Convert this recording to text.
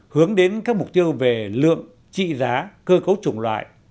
hướng đến các mục tiêu về lượng trị giá cơ cấu chủng loại